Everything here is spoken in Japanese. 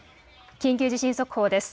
緊急地震速報です。